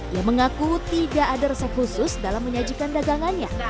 ia mengaku tidak ada resep khusus dalam menyajikan dagangannya